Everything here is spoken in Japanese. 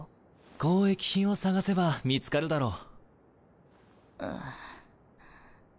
交易品を探せば見つかるだろう。